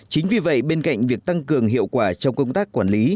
chính vì vậy bên cạnh việc tăng cường hiệu quả trong công tác quản lý